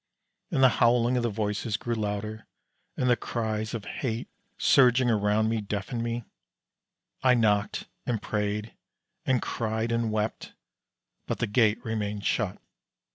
And the howling of the voices grew louder, and the cries of hate surging round me deafened me. I knocked, and prayed, and cried, and wept, but the gate remained shut.